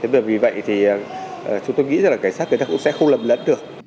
thế bởi vì vậy thì chúng tôi nghĩ rằng là cảnh sát cũng sẽ không lầm lẫn được